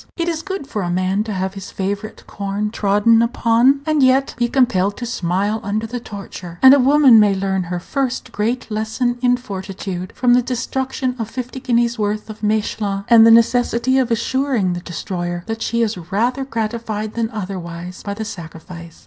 It is good for a man to have his favorite corn trodden upon, and yet be compelled to smile under the torture; and a woman may learn her first great lesson in fortitude from the destruction of fifty guineas' worth of Mechlin, and the necessity of assuring the destroyer that she is rather gratified than otherwise by the sacrifice.